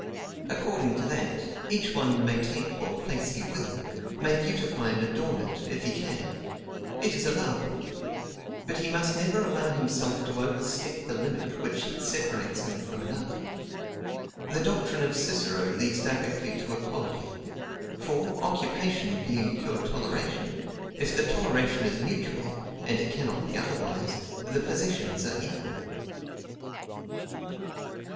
According to that, each one may take what place he will, may beautify and adorn it, if he can; it is allowable: but he must never allow himself to overstep the limit which separates him from another. The doctrine of Cicero leads directly to equality; for, occupation being pure toleration, if the toleration is mutual (and it cannot be otherwise) the possessions are equal.